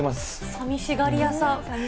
さみしがり屋さん。